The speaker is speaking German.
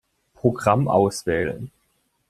Programm auswählen.